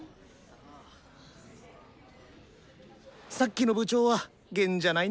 さっきの部長は弦じゃないのか。